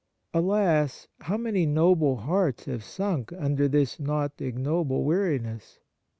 Alas ! how many noble hearts have sunk under this not ignoble weariness